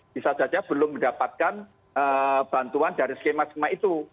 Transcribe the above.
bisa saja belum mendapatkan bantuan dari skema skema itu